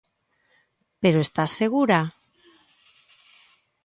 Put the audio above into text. ¿Pero estás segura?